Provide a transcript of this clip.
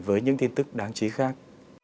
với những tin tức đáng chí khác